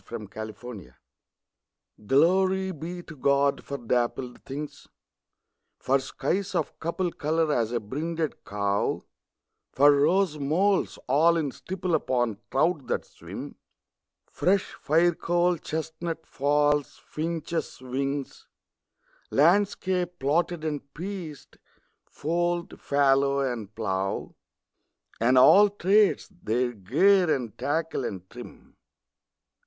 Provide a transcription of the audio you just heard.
13 Pied Beauty GLORY be to God for dappled things For skies of couple colour as a brinded cow; For rose moles all in stipple upon trout that swim: Fresh firecoal chestnut falls; finches' wings; Landscape plotted and pieced fold, fallow, and plough; And àll tràdes, their gear and tackle and trim.